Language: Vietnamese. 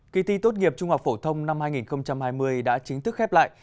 kỳ thi tốt nghiệp trung học phổ thông năm hai nghìn hai mươi đã chính thức khép lại